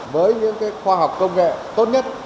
với những cái khoa học công nghệ tốt nhất